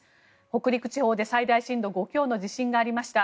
北陸地方で最大震度５強の地震がありました。